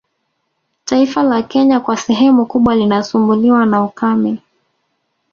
Taifa la Kenya kwa sehemu kubwa linasumbuliwa na ukame